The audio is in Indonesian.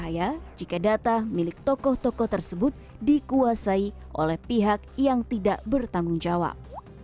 berbahaya jika data milik tokoh tokoh tersebut dikuasai oleh pihak yang tidak bertanggung jawab